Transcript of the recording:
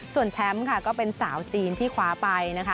ส่วนแชมป์ก็เป็นสาวจีนที่ขวาไป